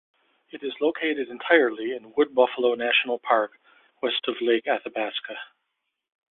It is located entirely in Wood Buffalo National Park, west of Lake Athabasca.